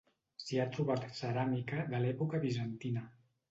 S'hi ha trobat ceràmica de l'època bizantina.